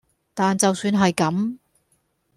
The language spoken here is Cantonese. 但就算係咁